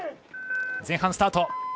前半、スタート。